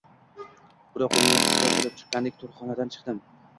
Birov qo`limdan sudrab olib chiqqandek, tug`ruqxonadan chiqdim